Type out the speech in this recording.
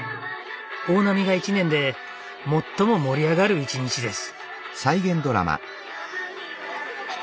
大波が一年で最も盛り上がる一日です。